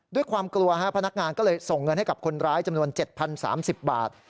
ด้วยความกลัวพนักงานก็เลยส่งเงินให้กับคนร้ายจำนวน๗๐๓๐บาท